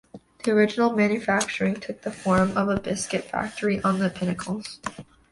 The original manufacturing took the form of a biscuit factory, on the Pinnacles.